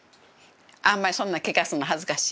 あんまりそんなん聞かすの恥ずかしい。